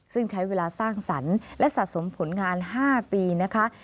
ซึ่งใช้เวลาสร้างสรรค์และสะสมผลงาน๕ปีนะคะ